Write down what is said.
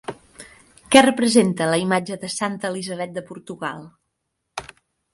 Què representa la imatge de santa Elisabet de Portugal?